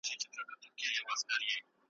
چي خدای درکړی د توري زور دی ,